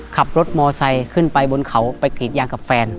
ขับรถมอไซค์ขึ้นไปบนเขาไปกรีดยางกับแฟน